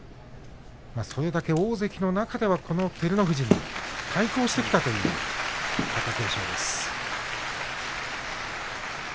それだけ大関の中では照ノ富士に対抗してきたという貴景勝です。